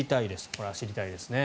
これは知りたいですね。